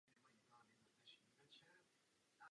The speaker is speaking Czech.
Sky má takovou nabídku pod názvem Sky Movies Box Office.